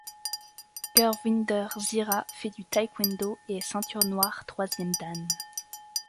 Gurvinder Sihra fait du taekwendo et est ceinture noire troisième dan.